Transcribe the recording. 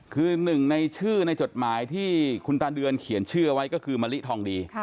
คือหนึ่งในชื่อในจดหมายที่คุณตาเดือนเขียนชื่อเอาไว้ก็คือมะลิทองดี